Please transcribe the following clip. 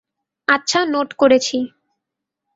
আচ্ছা নোট করেছি।